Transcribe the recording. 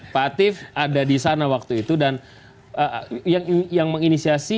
pak atif ada di sana waktu itu dan yang menginisiasi